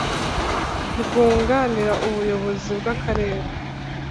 rwunganira ubuyobozi bw Akarere